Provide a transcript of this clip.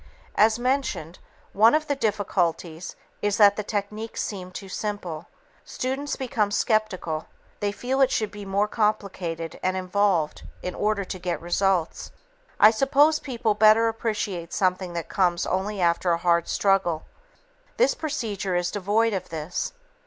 As mentioned, one of the difficulties is that the technique seems too simple. Students become skeptical. They feel it should be more complicated and involved in order to get results. I suppose people better appreciate something that comes only after a hard struggle. This procedure is devoid of this.